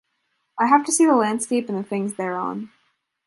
I have to see the landscape and the things thereon.